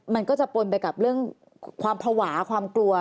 มันก็จะปนไปกับเรื่องความภาวะความกลัว